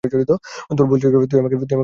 তোর ভুল ছিল যে, তুই আমাকে মেরে ফেলতে পারিসনি!